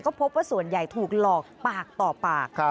ก็พบว่าส่วนใหญ่ถูกหลอกปากต่อปาก